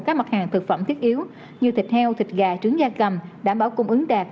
các mặt hàng thực phẩm thiết yếu như thịt heo thịt gà trứng da cầm đảm bảo cung ứng đạt